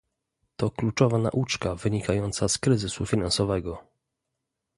To kluczowa nauczka wynikająca z kryzysu finansowego